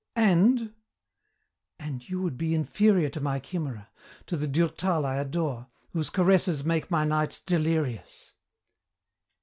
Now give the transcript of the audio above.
"And?" "And you would be inferior to my chimera, to the Durtal I adore, whose caresses make my nights delirious!"